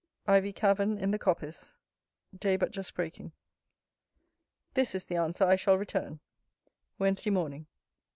Ivy Cavern, in the Coppice Day but just breaking. This is the answer I shall return: WEDNESDAY MORNING.